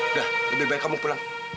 udah lebih baik kamu pulang